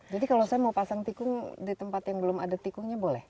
jadi kalau saya mau pasang tikung di tempat yang belum ada tikungnya boleh